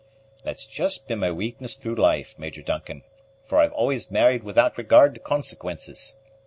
"That's just been my weakness through life, Major Duncan; for I've always married without regard to consequences.